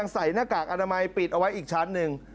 ใส่หน้ากากอนามัยปิดเอาไว้อีกชั้นหนึ่ง